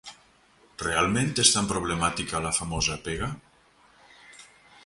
Realment és tan problemàtica la famosa “pega”?